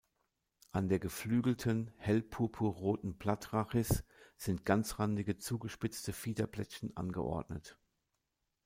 An der geflügelten, hell-purpurroten Blattrhachis sind ganzrandige, zugespitzte Fiederblättchen angeordnet.